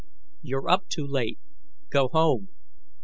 "You're up too late. Go home."